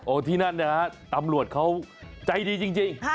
โอ้ที่นั่นนะฮะตำรวจเขาใจดีจริง